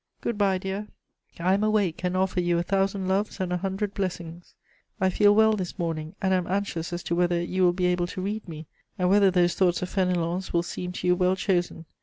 Good bye, dear. "I am awake, and offer you a thousand loves and a hundred blessings. I feel well this morning and am anxious as to whether you will be able to read me, and whether those thoughts of Fénelon's will seem to you well chosen.